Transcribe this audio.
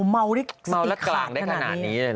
เมาได้สติขาดขนาดนี้